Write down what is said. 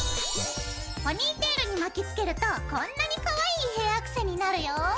ポニーテールに巻きつけるとこんなにかわいいヘアアクセになるよ！